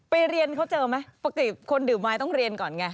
เรียนเขาเจอไหมปกติคนดื่มไม้ต้องเรียนก่อนไง